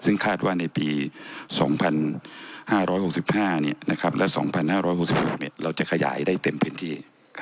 ซึ่งคาดว่าในปี๒๕๖๕และ๒๕๖๖เราจะขยายได้เต็มพื้นที่